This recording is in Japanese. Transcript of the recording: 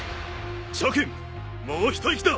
諸君もう一息だ。